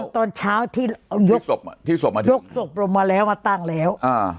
ตอนเช้าที่ที่สวบที่สวบมาถึงยกสวบลงมาแล้วมาตั้งแล้วอ่า